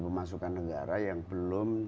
pemasukan negara yang belum